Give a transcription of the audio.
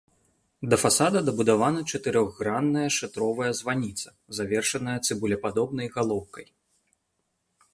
Да фасада дабудавана чатырохгранная шатровая званіца, завершаная цыбулепадобнай галоўкай.